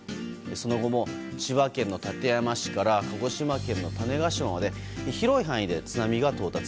その後も、千葉県の館山市から鹿児島県の種子島まで広い範囲で津波が到達。